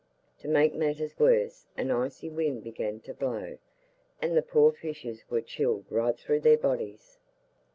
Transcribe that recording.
To make matters worse, an icy wind began to blow, and the poor fishes were chilled right through their bodies.